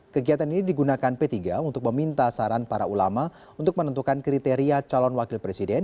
kegiatan ini digunakan p tiga untuk meminta saran para ulama untuk menentukan kriteria calon wakil presiden